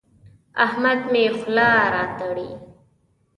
احمد مې خوله راتړي.